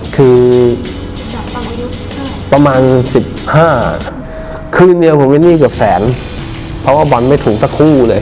คือประมาณ๑๕คือเดียวผมเงียบเงียบกับแฟนพอว่าบอลไม่ถึงตั้งคู่เลย